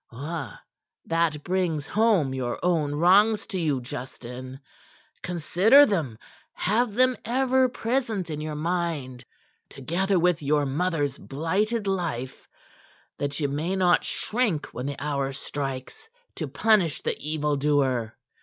Ah! That brings home your own wrongs to you, Justin! Consider them; have them ever present in your mind, together with your mother's blighted life, that you may not shrink when the hour strikes to punish the evildoer."